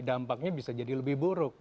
dampaknya bisa jadi lebih buruk